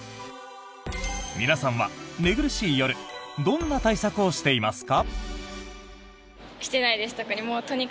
皆さんは寝苦しい夜どんな対策をしていますか？